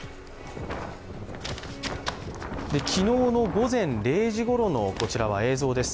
昨日の午前０時ごろの映像です。